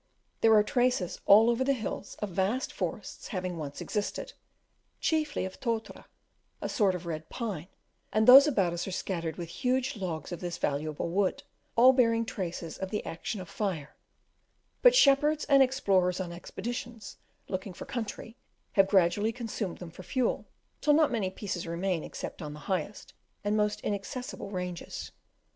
There are traces all over the hills of vast forests having once existed; chiefly of totara, a sort of red pine, and those about us are scattered with huge logs of this valuable wood, all bearing traces of the action of fire; but shepherds, and explorers on expeditions, looking for country, have gradually consumed them for fuel, till not many pieces remain except on the highest and most inaccessible ranges.